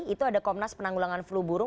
itu ada komnas penanggulangan flu burung